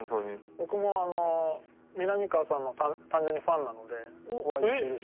僕もあのみなみかわさんの単純にファンなのでお会いできて嬉しいです。